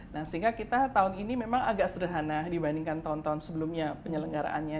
nah sehingga kita tahun ini memang agak sederhana dibandingkan tahun tahun sebelumnya penyelenggaraannya